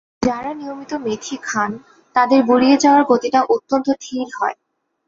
যাঁরা নিয়মিত মেথি খান, তাঁদের বুড়িয়ে যাওয়ার গতিটা অত্যন্ত ধীর হয়।